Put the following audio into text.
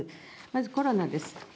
まずコロナです。